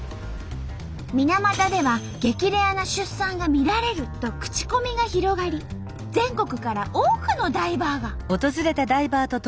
水俣では激レアな出産が見られると口コミが広がり全国から多くのダイバーが。